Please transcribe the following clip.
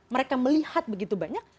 mereka melihat begitu banyak